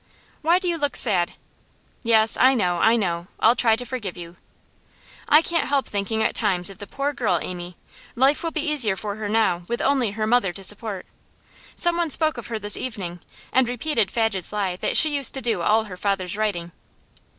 'Why do you look sad? Yes, I know, I know. I'll try to forgive you.' 'I can't help thinking at times of the poor girl, Amy. Life will be easier for her now, with only her mother to support. Someone spoke of her this evening, and repeated Fadge's lie that she used to do all her father's writing.